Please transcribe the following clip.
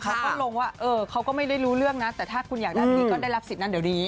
เขาก็ลงว่าเขาก็ไม่ได้รู้เรื่องนะแต่ถ้าคุณอยากได้ดีก็ได้รับสิทธิ์นั้นเดี๋ยวนี้